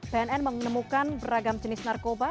bnn menemukan beragam jenis narkoba